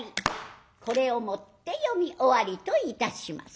これをもって読み終わりといたします。